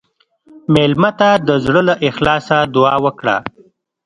مېلمه ته د زړه له اخلاصه دعا وکړه.